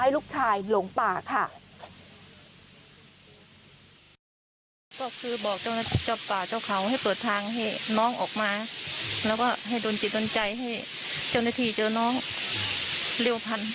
ให้โดนจิตโดนใจให้เจ้าหน้าทีเจ้าน้องเรียวพันธ์